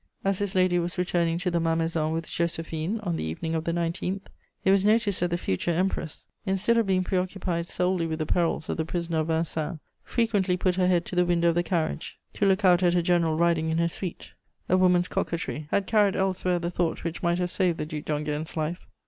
As this lady was returning to the Malmaison with Joséphine on the evening of the 19th, it was noticed that the future Empress, instead of being preoccupied solely with the perils of the prisoner of Vincennes, frequently put her head to the window of the carriage to look out at a general riding in her suite: a woman's coquetry had carried elsewhere the thought which might have saved the Duc d'Enghien's life.